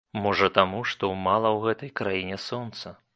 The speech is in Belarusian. Можа таму, што мала ў гэтай краіне сонца.